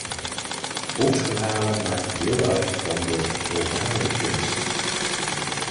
Volksverhalen maken deel uit van de 'orale kunst'.